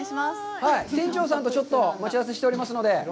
船長さんとちょっと待ち合わせしておりますので。